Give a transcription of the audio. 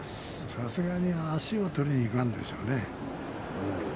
さすがに足は取りにいかんでしょうね。